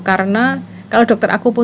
karena kalau dokter aku pun